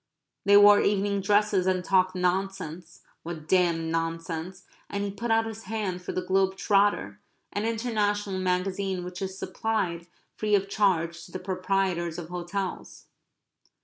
They wore evening dresses, and talked nonsense what damned nonsense and he put out his hand for the Globe Trotter, an international magazine which is supplied free of charge to the proprietors of hotels.